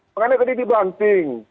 makanya tadi dibanting